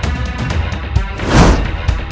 kau banyak berkuat